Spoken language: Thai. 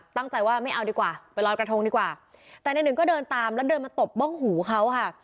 ตั้งใจว่าไม่เอาดีกว่าไปลอยกระทงดีกว่าแต่ในหนึ่งก็เดินตามแล้วเดินมาตบบ้องหูเขาค่ะ